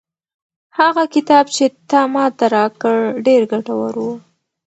هغه کتاب چې تا ماته راکړ ډېر ګټور و.